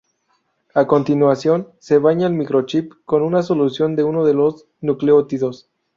A continuación, se baña el micro-chip con una solución de uno de los nucleótidos.